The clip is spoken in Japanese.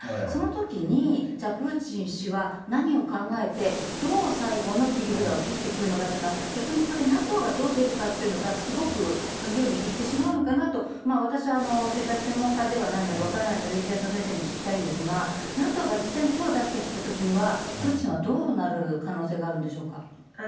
そのときに、じゃあプーチン氏は何を考えて、どう最後の切り札を切ってくるのかというのは、逆にここでＮＡＴＯがどう出るかというのが、すごく鍵を握ってしまうのかなと、私は世界史専門家ではないので、分からないので、東野先生に聞きたいんですが、ＮＡＴＯが実際に手を出してきたときには、プーチンはどうなる可能性があるんでしょうか。